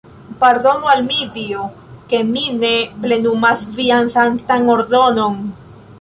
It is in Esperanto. Pardonu al mi, Dio, ke mi ne plenumas vian sanktan ordonon!